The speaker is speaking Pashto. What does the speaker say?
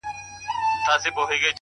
تاریخي ولس ته بد رد وایي